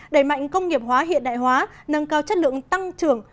đẩy mạnh công nghiệp hóa hiện đại hóa nâng cao chất lượng tăng trưởng